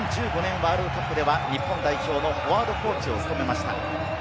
ワールドカップでは日本代表のフォワードコーチを務めました。